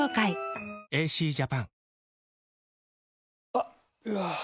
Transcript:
あっ、うわー。